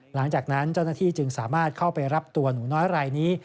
หลังจากนั้นเจ้าหน้าที่จึงสามารถเข้าไปรับตัวหนูน้อยรายนี้